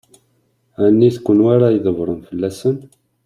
Ɛni d kenwi ara ydebbṛen fell-asen?